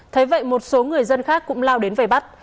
thế vậy một số người dân khác cũng lao đến về bắt